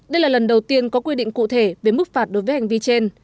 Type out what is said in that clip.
đây là lần đầu tiên có quy định cụ thể về mức phạt đối với hành vi trên